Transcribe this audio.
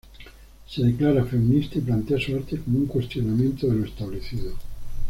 Se declara feminista y plantea su arte como un cuestionamiento de lo establecido.